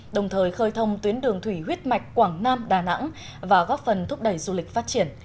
đồng thời khơi thông tuyến đường thủy huyết mạch quảng nam đà nẵng và góp phần thúc đẩy du lịch phát triển